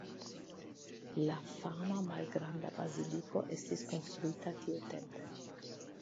La fama malgranda baziliko estis konstruita tiutempe.